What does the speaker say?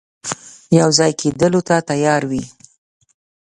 یو ځای کېدلو ته تیار وي.